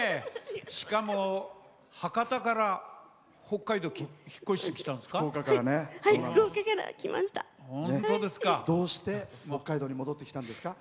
しかも、博多から北海道に引っ越してきたんですか。